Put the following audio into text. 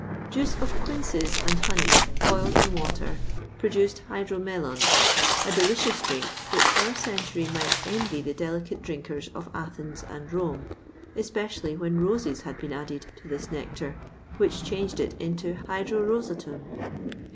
[XXVI 37] Juice of quinces and honey, boiled in water, produced hydromelon, a delicious drink, which our century might envy the delicate drinkers of Athens and Rome,[XXVI 38] especially when roses had been added to this nectar, which changed it into hydrorosatum.